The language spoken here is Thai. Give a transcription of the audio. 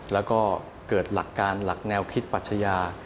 แล้วก็เกิดหลักการหลักแนวคิดปัชญา